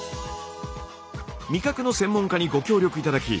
味覚の専門家にご協力頂き